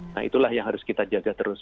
nah itulah yang harus kita jaga terus